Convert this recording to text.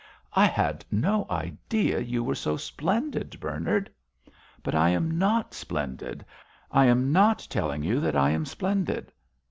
"I had no idea you were so splendid, Bernard." "But I am not splendid. I am not telling you that I am splendid."